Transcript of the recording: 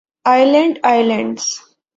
Aland islands